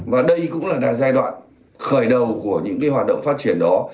và đây cũng là giai đoạn khởi đầu của những hoạt động phát triển đó